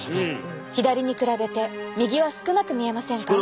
左に比べて右は少なく見えませんか？